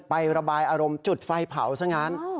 ระบายอารมณ์จุดไฟเผาซะงั้น